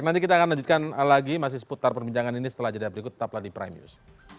nanti kita akan lanjutkan lagi masih seputar perbincangan ini setelah jadwal berikut tetaplah di prime news